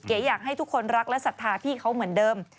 อยากให้ทุกคนรักและศรัทธาพี่เขาเหมือนเดิม